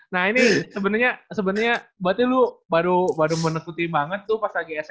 nah ini sebenernya sebenernya berarti lo baru baru menekuti banget tuh pas lagi sma lah ya